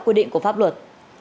quy định của pháp luật